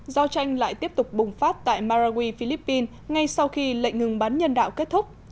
giao tranh lại tiếp tục bùng phát tại marawi philippines ngay sau khi lệnh ngừng bắn nhân đạo kết thúc